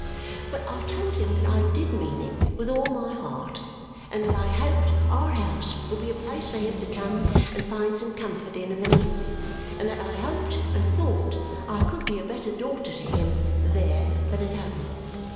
But I told him that I DID mean it with all my heart and that I hoped our house would be a place for him to come and find some comfort in of an evening and that I hoped and thought I could be a better daughter to him there than at home.